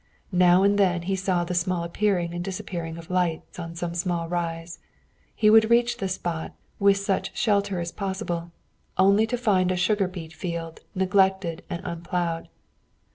Now and then he saw the small appearing and disappearing lights on some small rise. He would reach the spot, with such shelter as possible, to find only a sugar beet field, neglected and unplowed.